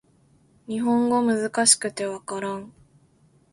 日本語難しくて分からん